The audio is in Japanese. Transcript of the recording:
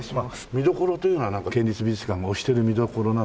見どころというのは県立美術館が推してる見どころなんてあるんですか？